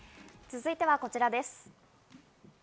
続いてはこちらです。